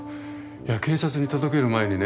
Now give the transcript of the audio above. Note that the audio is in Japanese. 警察に届ける前にね